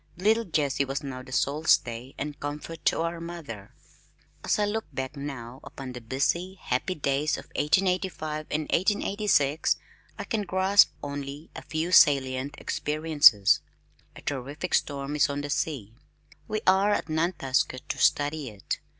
Little Jessie was now the sole stay and comfort of our mother. As I look back now upon the busy, happy days of 1885 and 1886, I can grasp only a few salient experiences.... A terrific storm is on the sea. We are at Nantasket to study it.